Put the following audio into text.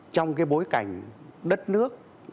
trong cái bối cảnh đất nước